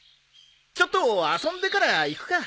ちょっと遊んでから行くか。